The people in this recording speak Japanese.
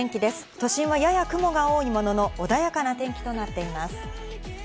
都心はやや雲が多いものの、穏やかな天気となっています。